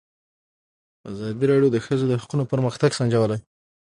ازادي راډیو د د ښځو حقونه پرمختګ سنجولی.